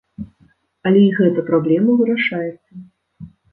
Але і гэта праблема вырашаецца.